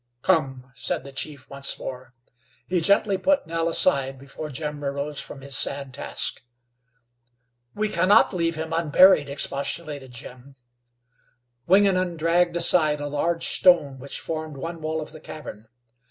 "Come," said the chief once more. He gently put Nell aside before Jim arose from his sad task. "We can not leave him unburied," expostulated Jim. Wingenund dragged aside a large stone which formed one wall of the cavern.